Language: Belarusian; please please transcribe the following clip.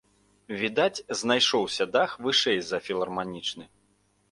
Відаць, знайшоўся дах вышэй за філарманічны.